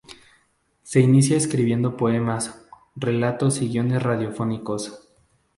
Se inicia escribiendo poemas, relatos y guiones radiofónicos.